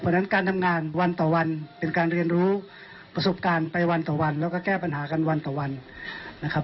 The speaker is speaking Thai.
เพราะฉะนั้นการทำงานวันต่อวันเป็นการเรียนรู้ประสบการณ์ไปวันต่อวันแล้วก็แก้ปัญหากันวันต่อวันนะครับ